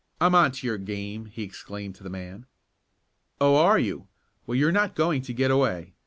"I'm on to your game!" he exclaimed to the man. "Oh, are you? Well, you're not going to get away!"